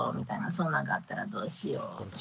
そんなんがあったらどうしようとか。